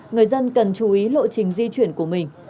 người dân cần chú ý lộ trình di chuyển của mình